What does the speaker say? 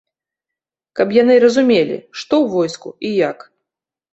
Каб яны разумелі, што ў войску і як.